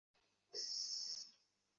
তোমায় যম ভুলেছে বলে কি আমরা ভুলব।